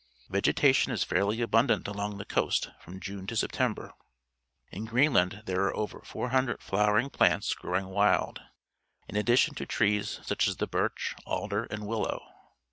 Vegetation is fairly abundant along the coast from June to September. In Greenland there are over 400 flowering plants growing wild, in addition to trees such as the birch, alder, and willow.